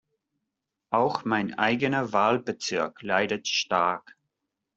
Auch mein eigener Wahlbezirk leidet stark.